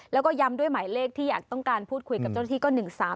แล้วก็ย้ำด้วยหมายเลขที่อยากต้องการพูดคุยกับเจ้าหน้าที่ก็๑๓๓